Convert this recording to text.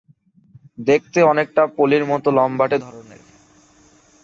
দেখতে অনেকটা পলির মতো লম্বাটে ধরনের।